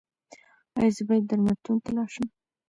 ایا زه باید درملتون ته لاړ شم؟